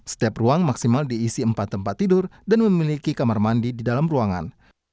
setiap ruang maksimal diisi empat tempat tidur dan memiliki kamar mandi di dalam ruangan